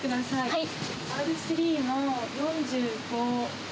はい。